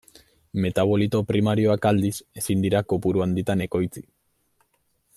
Metabolito primarioak, aldiz, ezin dira kopuru handitan ekoitzi.